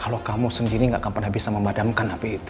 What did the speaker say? kalau kamu sendiri gak akan pernah bisa memadamkan api itu